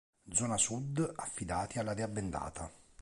Zona Sud: affidati alla dea bendata.